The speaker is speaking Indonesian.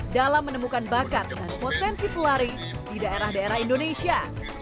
dalam menemukan bakat dan potensi pelari di daerah daerah indonesia